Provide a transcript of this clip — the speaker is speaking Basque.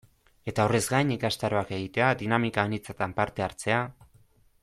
Eta horrez gain ikastaroak egitea, dinamika anitzetan parte hartzea...